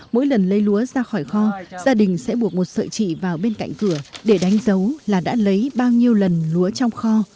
mỗi lần lấy lúa ra khỏi kho gia đình sẽ buộc một sợi trị vào bên cạnh cửa để đánh dấu là đã lấy bao nhiêu lần lúa trong kho